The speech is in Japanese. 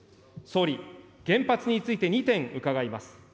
総理、原発について２点伺います。